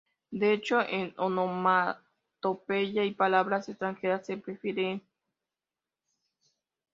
De hecho, en onomatopeya y palabras extranjeras, se prefiere el ウェ.